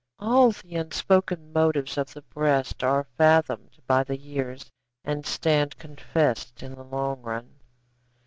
All the unspoken motives of the breast Are fathomed by the years and stand confess'd In the long run.